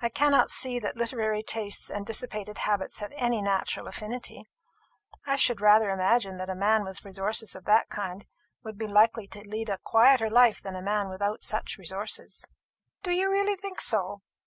I cannot see that literary tastes and dissipated habits have any natural affinity. I should rather imagine that a man with resources of that kind would be likely to lead a quieter life than a man without such resources." "Do you really think so?